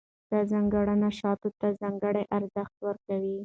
دا ځانګړنه شاتو ته ځانګړی ارزښت ورکوي.